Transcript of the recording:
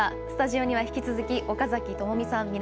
スタジオには引き続き岡崎朋美さん